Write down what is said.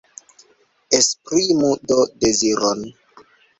Esprimu do deziron.